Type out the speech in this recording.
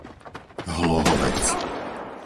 Hlohovec